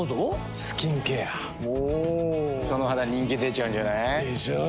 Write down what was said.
その肌人気出ちゃうんじゃない？でしょう。